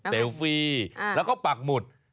ฟี่แล้วก็ปักหมุด